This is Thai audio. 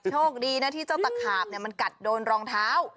โชคดีนะที่เจ้าตะขาบมันกัดโดนรองเท้า